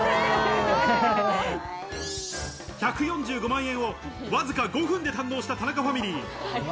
１４５万円をわずか５分で堪能した田中ファミリー。